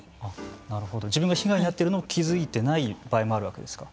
自分が被害に遭っているのを気付いてない場合もあるわけですか。